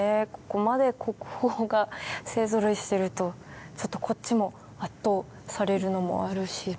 ここまで国宝が勢ぞろいしてるとちょっとこっちも圧倒されるのもあるし。